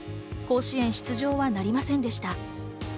甲子園出場はなりませんでした。